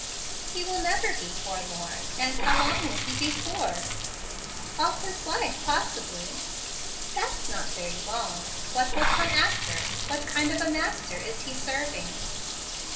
"He will never be forlorn; and how long will he be poor?" "All his life possibly." "That's not very long. What will come after? What kind of a master is he serving?"